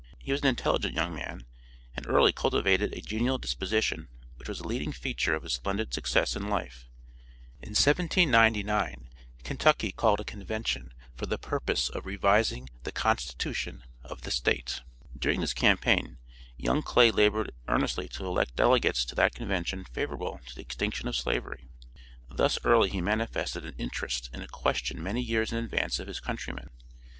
He was an intelligent young man, and early cultivated a genial disposition which was a leading feature of his splendid success in life. In 1799 Kentucky called a convention for the purpose of revising the constitution of the State. During this campaign young Clay labored earnestly to elect delegates to that convention favorable to the extinction of slavery. Thus early he manifested an interest in a question many years in advance of his countrymen.